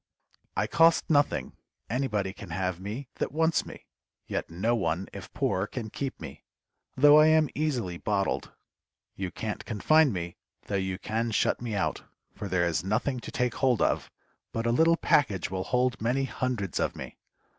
I cost nothing, anybody can have me that wants me, yet no one if poor can keep me, though I am easily bottled. You can't confine me, though you can shut me out, for there is nothing to take hold of, but a little package will hold many hundreds of me.